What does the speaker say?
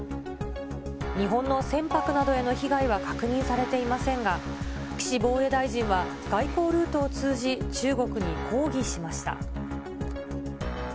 日本の船舶などへの被害は確認されていませんが、岸防衛大臣は、外交ルートを通じ、中国に抗議しました。